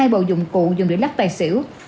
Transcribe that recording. hai bộ dụng cụ dùng để lát tài xỉu